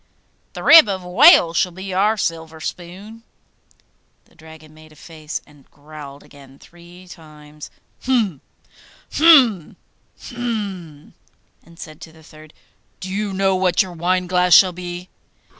'The rib of a whale shall be our silver spoon.' The Dragon made a face, and growled again three times, 'Hum, hum, hum,' and said to the third, 'Do you know what your wineglass shall be?